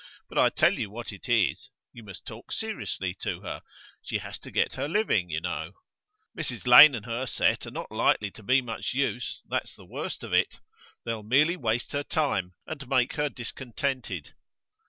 But I tell you what it is, you must talk seriously to her; she has to get her living, you know. Mrs Lane and her set are not likely to be much use, that's the worst of it; they'll merely waste her time, and make her discontented.